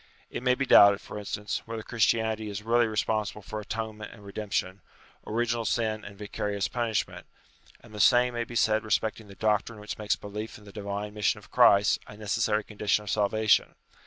It may be doubted, for instance, whether Christianity is really responsible for atonement and redemption, origi nal sin and vicarious punishment: and the same may be said respecting the doctrine which makes belief in the divine mission of Christ a necessary condition of salvation.